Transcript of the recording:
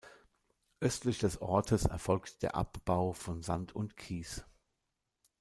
Östlich des Ortes erfolgt der Abbau von Sand und Kies.